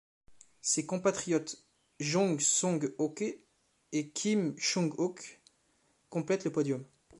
Ses compatriotes Jong Song-Ok et Kim Chung-Ok complètent le podium.